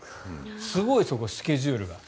すごいですよ、スケジュールが。